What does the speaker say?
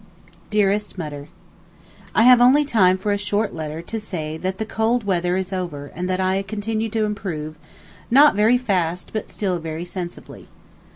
DEAREST MUTTER, I have only time for a short letter to say that the cold weather is over and that I continue to improve, not very fast, but still very sensibly.